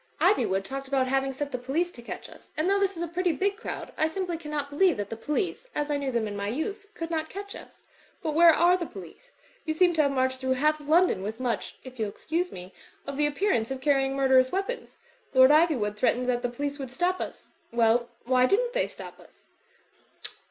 Ivjrwood talked about having set the police to catch us; and though this is a pretty big crowd, I simply cannot believe that the police, as I knew them in my youth, could not catch us. But where are the police? You seem to have marched through half London with much (if you'll excuse me) of the appearance of car rying murderous weapons. Lord Ivywood threatened that the police would stop us. Well, why didn't they stop us?"